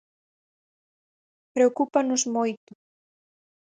Preocúpanos moito.